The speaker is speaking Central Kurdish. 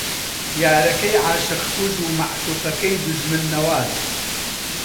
یارەکەی عاشق کوژ و مەعشووقەکەی دوژمن نەواز